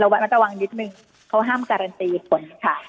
ระมัดระวังนิดนึงเขาห้ามการันตีผลค่ะ